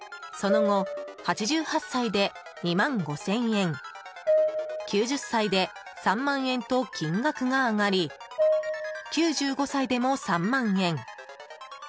その後、８８歳で２万５０００円９０歳で３万円と金額が上がり９５歳でも３万円。